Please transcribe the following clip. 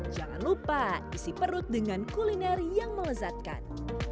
jangan lupa isi perut dengan kuliner yang melezatkan